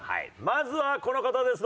まずはこの方です。